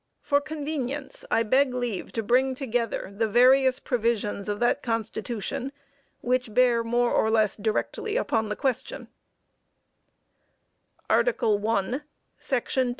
For convenience I beg leave to bring together the various provisions of that constitution which bear more or less directly upon the question: ARTICLE I, Section 2.